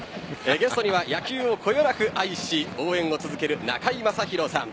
ゲストには野球をこよなく愛し応援を続ける中居正広さん